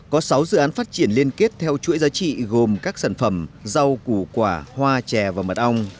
có sáu dự án phát triển liên kết theo chuỗi giá trị gồm các sản phẩm rau củ quả hoa chè và mật ong